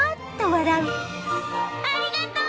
ありがとう！